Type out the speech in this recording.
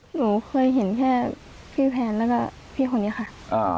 หนูเคยเห็นแค่พี่แพนแล้วก็พี่คนนี้ค่ะ